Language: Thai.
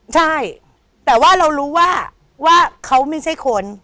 ใช่แต่ว่าเรารู้ว่าว่าเขาไม่ใช่คน